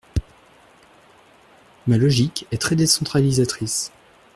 Ma logique est très décentralisatrice.